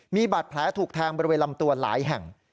มีบาดแผลถูกแทงบริเวณลำตัวหลายแห่ง